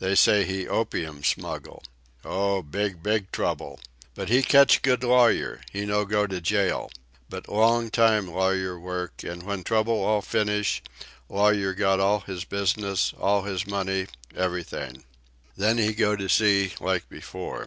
They say he opium smuggle. Oh, big, big trouble. But he catch good lawyer. He no go to jail. But long time lawyer work, and when trouble all finish lawyer got all his business, all his money, everything. Then he go to sea, like before.